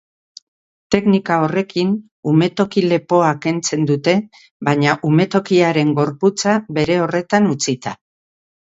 Teknika horrekin, umetoki-lepoa kentzen dute, baina umetokiaren gorputza bere horretan utzita.